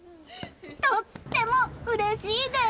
とってもうれしいです！